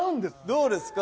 どうですか？